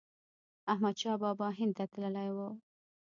احمد شاه بابا هند ته تللی و.